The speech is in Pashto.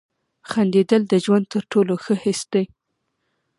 • خندېدل د ژوند تر ټولو ښه حس دی.